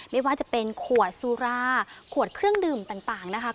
ไม่ว่าจะเป็นขวดสุราขวดเครื่องดื่มต่างนะคะ